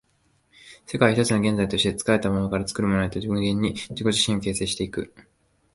世界は一つの現在として、作られたものから作るものへと無限に自己自身を形成し行く。